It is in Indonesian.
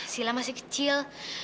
sila masih kecil